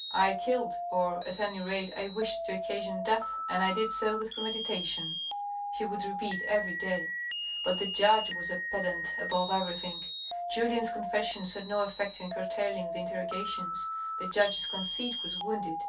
" I killed, or at anyrate, I wished to occasion death, and I did so with premeditation," he would repeat every day. But the judge was a pedant above everything. Julien's confessions had no effect in curtailing the interrogations. The judge's conceit was wounded.